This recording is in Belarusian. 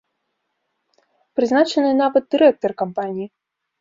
Прызначаны нават дырэктар кампаніі.